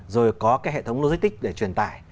rồi có cái hệ thống logistic để truyền tải